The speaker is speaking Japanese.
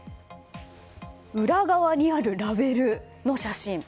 裏側にあるラベルの写真。